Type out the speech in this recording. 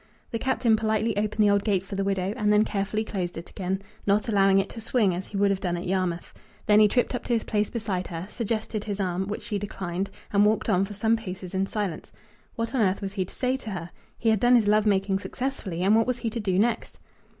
The Captain politely opened the old gate for the widow, and then carefully closed it again, not allowing it to swing, as he would have done at Yarmouth. Then he tripped up to his place beside her, suggested his arm, which she declined, and walked on for some paces in silence. What on earth was he to say to her? He had done his love making successfully, and what was he to do next?